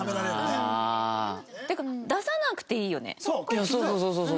いやそうそうそうそう。